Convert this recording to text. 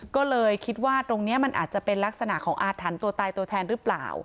ก็เลยคิดว่าตรงนี้มันอาจจะเป็นลักษณะของอาถรรพ์ตัวตายตัวแทนหรือเปล่า